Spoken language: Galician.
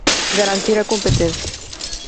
Garantir a competencia.